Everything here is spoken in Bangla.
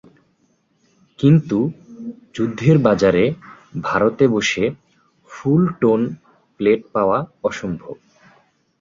কিন্তু যুদ্ধের বাজারে ভারতে বসে ‘ফুল-টোন’ প্লেট পাওয়া অসম্ভব।